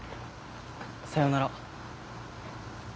さよなら。